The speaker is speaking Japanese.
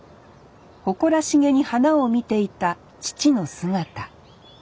誇らしげに花を見ていた父の姿。